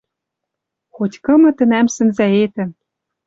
Хоть кымы тӹнӓм сӹнзӓэтӹм